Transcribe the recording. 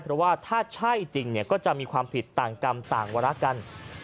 เพราะว่าถ้าใช่จริงก็จะมีความผิดต่างกรรมต่างวาระกัน